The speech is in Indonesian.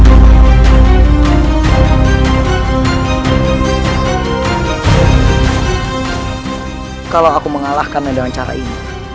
jika saya mengalahkannya dengan cetak